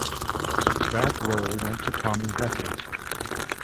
That role went to Tommy Rettig.